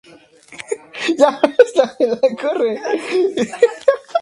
Regresó a Haití tras la caída del dictador Jean-Claude Duvalier.